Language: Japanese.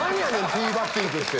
ティーバッティングって。